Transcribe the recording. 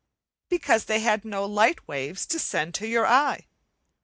Because they had no light waves to send to your eye.